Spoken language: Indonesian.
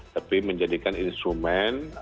tapi menjadikan instrumen